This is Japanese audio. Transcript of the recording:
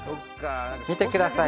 見てください